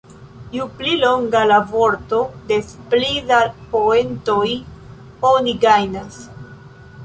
Ju pli longa la vorto, des pli da poentoj oni gajnas.